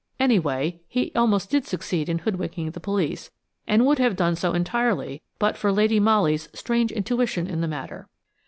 Anyway, he almost did succeed in hoodwinking the police, and would have done so entirely but for Lady Molly's strange intuition in the matter.